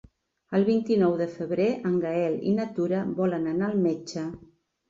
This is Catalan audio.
El vint-i-nou de febrer en Gaël i na Tura volen anar al metge.